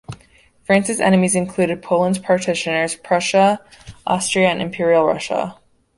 France's enemies included Poland's partitioners, Prussia, Austria and Imperial Russia.